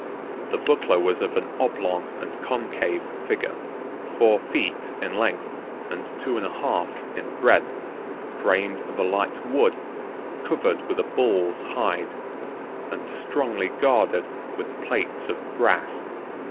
The buckler was of an oblong and concave figure, four feet in length, and two and a half in breadth, framed of a light wood, covered with a bull's hide, and strongly guarded with plates of brass.